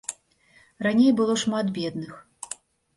Раней было шмат бедных.